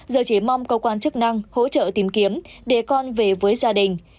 giờ chỉ mong cơ quan chức năng hỗ trợ tìm kiếm để con về với gia đình